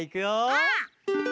うん！